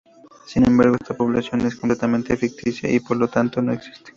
Sin embargo, esta población es completamente ficticia y, por lo tanto, no existe.